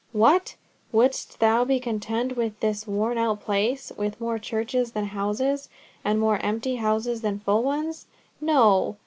"What! wouldst thou be content with this worn out place, with more churches than houses, and more empty houses than full ones? No!